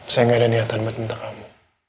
saya gak ada niatan buat bentar kamu